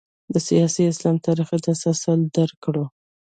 د سیاسي اسلام تاریخي تسلسل درک کړو.